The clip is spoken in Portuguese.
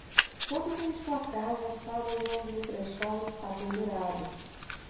Todos em sua casa sabem onde o cresol está pendurado.